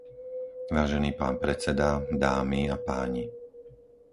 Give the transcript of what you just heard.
Vážený pán predseda, dámy a páni,